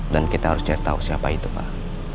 dan kita harus cari tau siapa itu pak